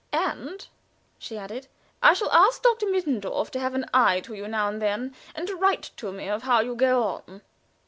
"And," she added, "I shall ask Doctor Mittendorf to have an eye to you now and then, and to write to me of how you go on."